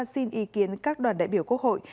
xin ý kiến các đoàn đại biểu quốc hội